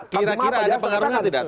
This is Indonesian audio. kira kira ada pengaruhnya tidak